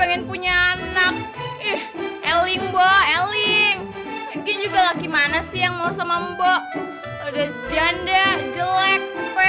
anak anak eh eling boe link juga lagi mana sih yang mau sama mbok janda jelek